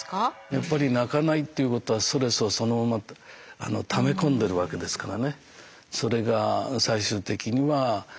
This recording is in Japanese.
やっぱり泣かないっていうことはストレスをそのままため込んでるわけですからね。